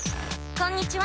こんにちは。